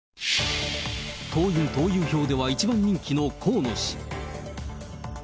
党員・党友票では一番人気の河野氏。